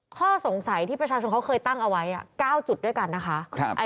ข้อสงสัยที่ประชาชนเขาเคยตั้งเอาไว้๙จุดด้วยกันนะคะ